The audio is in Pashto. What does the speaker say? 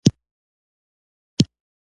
دا د پانګوال د ګټې د بیې لاس ته راوړل دي